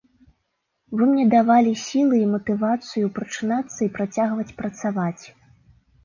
Вы мне давалі сілы і матывацыю прачынацца і працягваць працаваць.